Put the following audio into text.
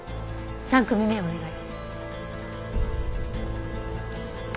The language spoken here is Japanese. ３組目お願い。